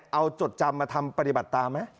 เอาจดจำมาทำปฏิบัติตามไหม